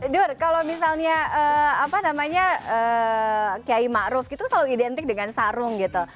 dur kalau misalnya apa namanya kiai ma'ruf itu selalu identik dengan sarung gitu